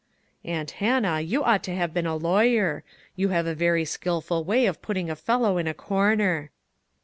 '" "Aunt Hannah, you ought to have been a lawyer; you have a very skilful way of putting a fellow in a corner."